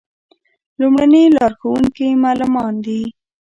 لومړني لارښوونکي یې معلمان دي.